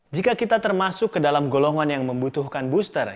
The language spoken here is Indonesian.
jika kita termasuk ke dalam golongan yang membutuhkan booster